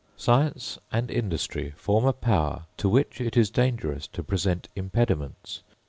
Science and industry form a power to which it is dangerous to present impediments.